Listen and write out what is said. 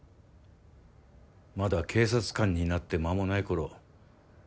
まだ警察官になって間もないころ